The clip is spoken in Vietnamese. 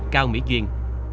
cao mỹ duyên